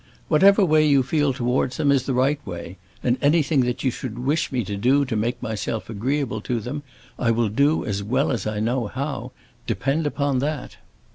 "Whatever way you feel toward them is the right way, and anything that you should wish me to do to make myself agreeable to them I will do as well as I know how. Depend upon that!"